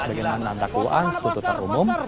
bagaimana takwaan kututan umum